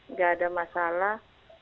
nggak ada masalah